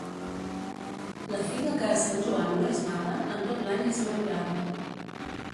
La figa que a Sant Joan no és nada, en tot l'any és madurada.